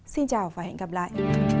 xin chào và hẹn gặp lại